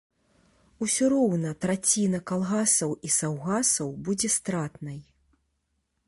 Усё роўна траціна калгасаў і саўгасаў будзе стратнай.